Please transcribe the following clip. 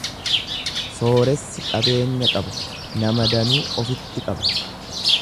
Sooressi qabeenya qaba, nama danuu ofitti qaba.